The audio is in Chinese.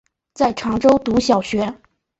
在常州读小学。